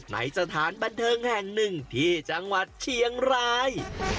สถานบันเทิงแห่งหนึ่งที่จังหวัดเชียงราย